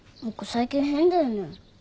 最近変だよね。